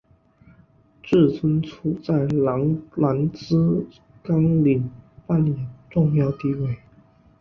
志村簇在郎兰兹纲领扮演重要地位。